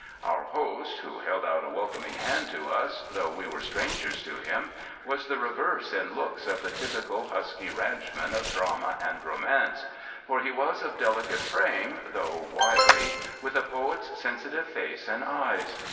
Our host, who held out a welcoming hand to us, though we were strangers to him, was the reverse in looks of the typical husky ranchman of drama and romance; for he was of delicate frame, though wiry, with a poet's sensitive face and eyes.